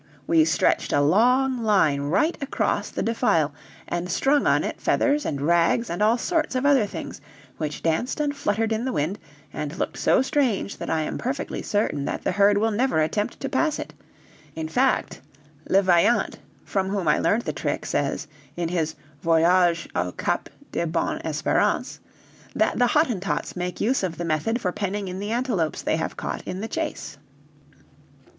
We stretched a long line right across the defile and strung on it feathers and rags and all sorts of other things, which danced and fluttered in the wind, and looked so strange that I am perfectly certain that the herd will never attempt to pass it; in fact, Levaillant, from whom I learned the trick, says, in his 'Voyage au Cap de Bonne Espérance,' that the Hottentots make use of the method for penning in the antelopes they have caught in the chase."